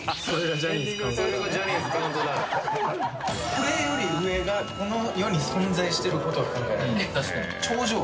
これより上がこの世に存在してることが考えられないうん